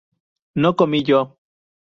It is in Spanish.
¿no comí yo?